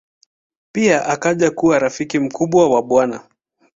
Pia akaja kuwa rafiki mkubwa wa Bw.